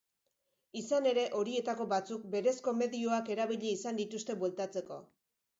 Izan ere, horietako batzuk berezko medioak erabili izan dituzte bueltatzeko.